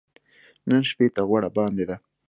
نن شپې ته غوړه باندې ده .